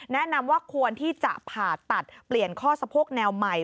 แนะนำว่าควรที่จะผ่าตัดเปลี่ยนข้อสะโพกแนวใหม่